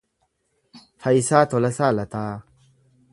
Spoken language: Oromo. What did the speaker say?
Fayisaa Tolasaa Lataa